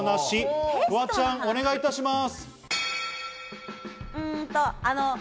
フワちゃん、お願いします。